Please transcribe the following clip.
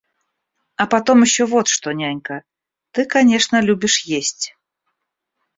А потом ещё вот что, нянька, ты конечно любишь есть.